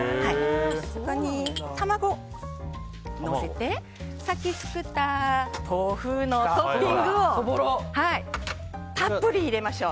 ここに卵をのせてさっき作った豆腐のトッピングをたっぷり入れましょう。